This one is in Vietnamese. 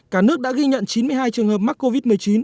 cả nước đã ghi nhận chín mươi hai trường hợp mắc covid một mươi chín